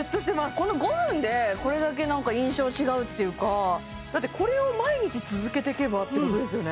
この５分でこれだけなんか印象違うっていうかだってこれを毎日続けてけばってことですよね